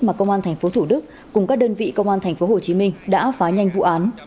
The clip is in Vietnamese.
mà công an tp thủ đức cùng các đơn vị công an tp hồ chí minh đã phá nhanh vụ án